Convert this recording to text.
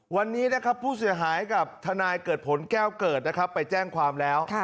วันนี้นะครับผู้เสียหายกับทนายเกิดผลแก้วเกิดนะครับไปแจ้งความแล้ว